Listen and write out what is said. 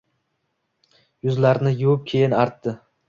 Yuzlarini yuvibkeyin artdi.